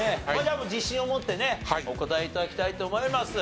自信を持ってねお答え頂きたいと思います。